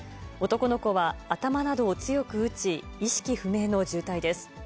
男の子は頭などを強く打ち、意識不明の重体です。